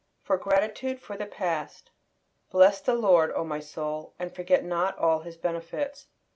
FOR GRATITUDE FOR THE PAST. "Bless the Lord, O my soul, and forget not all His benefits."